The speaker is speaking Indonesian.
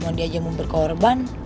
mondi aja mau berkorban